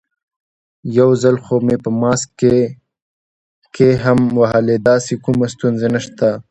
یو ځل خو مې په ماسک کې قی هم وهلی، داسې کومه ستونزه نشته.